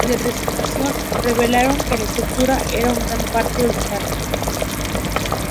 Los trabajos de restauración revelaron que la estructura era en gran parte original.